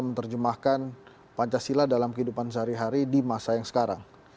menerjemahkan pancasila dalam kehidupan sehari hari di masa yang sekarang